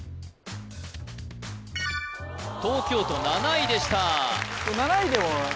東京都７位でした